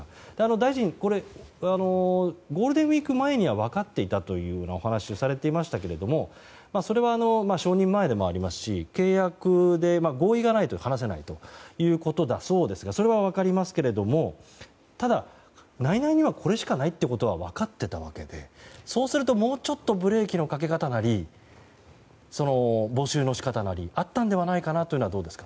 大臣、ゴールデンウィーク前には分かっていたというお話をされていましたがそれは承認前でもありますし契約で合意がないと話せないということだそうですがそれは分かりますけれどもただ、内々にはこれしかないということは分かっていたわけでそうすると、もうちょっとブレーキのかけ方なり募集の仕方なりあったのではないかというのはどうですか？